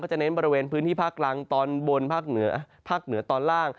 จะเน้นบริเวณพื้นที่ภาคกลางตอนบนภาคเหนือภาคเหนือตอนล่าง